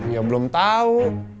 ya belum tau